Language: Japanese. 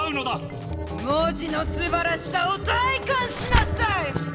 文字のすばらしさを体かんしなさい！